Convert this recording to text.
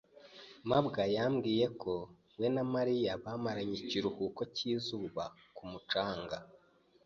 mabwa yambwiye ko we na Mariya bamaranye ikiruhuko cyizuba ku mucanga.